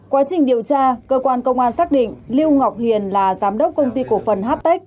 quá trình điều tra cơ quan công an xác định lưu ngọc hiền là giám đốc công ty cổ phần htec